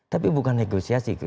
tapi bukan negosiasi